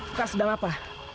pekak sedang apa